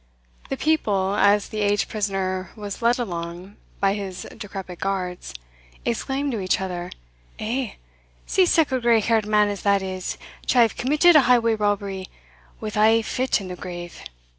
The people, as the aged prisoner was led along by his decrepit guards, exclaimed to each other, "Eh! see sic a grey haired man as that is, to have committed a highway robbery, wi' ae fit in the grave!"